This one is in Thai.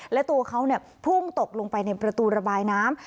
และตัวเขาพุ่งตกลงไปในประตูระบายน้ำ